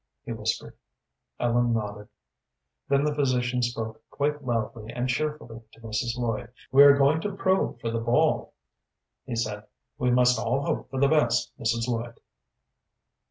he whispered. Ellen nodded. Then the physician spoke quite loudly and cheerfully to Mrs. Lloyd. "We are going to probe for the ball," he said. "We must all hope for the best, Mrs. Lloyd."